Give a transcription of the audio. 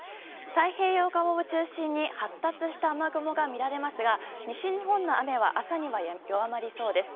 太平洋側を中心に発達した雨雲が見られますが西日本の雨は朝には弱まりそうです。